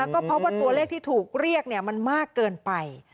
ก็เพราะว่าตัวเลขที่ถูกเรียกมันมากเกินไป